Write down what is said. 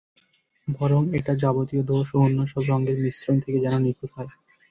বরং এটা যাবতীয় দোষ ও অন্য সব রঙয়ের মিশ্রণ থেকে যেন নিখুঁত হয়।